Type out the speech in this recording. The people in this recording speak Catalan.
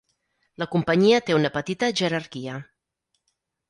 La companyia té una petita jerarquia.